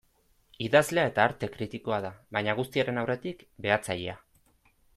Idazlea eta arte kritikoa da, baina guztiaren aurretik, behatzailea.